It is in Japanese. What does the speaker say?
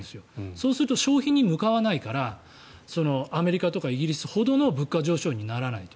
そうすると消費に向かわないからアメリカとかイギリスほどの物価上昇にならないと。